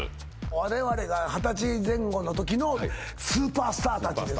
我々が二十歳前後の時のスーパースター達です